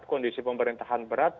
kondisi pemerintahan berat